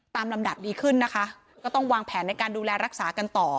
ลำดับดีขึ้นนะคะก็ต้องวางแผนในการดูแลรักษากันต่อ